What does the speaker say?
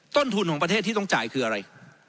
ต้นทุนของประเทศที่ต้องจ่ายคืออะไร